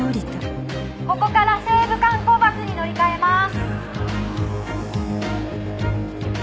ここから西武観光バスに乗り換えます。